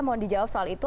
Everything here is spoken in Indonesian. mohon dijawab soal itu